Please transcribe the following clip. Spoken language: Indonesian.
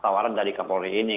tawaran dari kepolisian ini